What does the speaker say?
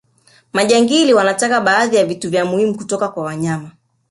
majingili wanataka baadhi ya vitu vya muhimu kutoka kwa wanyama